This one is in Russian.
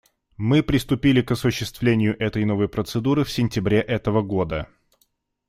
Мы приступили к осуществлению этой новой процедуры в сентябре этого года.